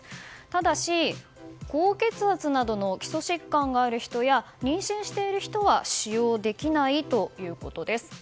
ただし、高血圧などの基礎疾患がある人や妊娠している人は使用できないということです。